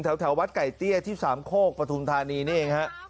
แถววัดไก่เตี้ยที่สามโคกปฐุมธานีนี่เองฮะ